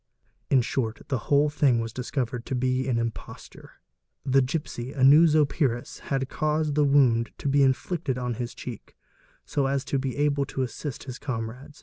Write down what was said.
In short, the whole thing was discovered to be an imposture. The gipsy, a new Zopyrus, had saused the wound to be inflicted on his cheek, so as to be able to assist his comrades.